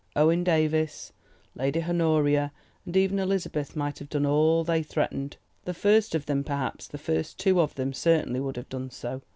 Owen Davies, Lady Honoria, and even Elizabeth might have done all they threatened; the first of them, perhaps the first two of them, certainly would have done so.